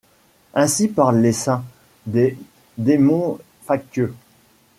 Ainsi parle l'essaim, des démons factieux